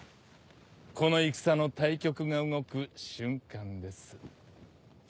この戦の大局が動く瞬間です。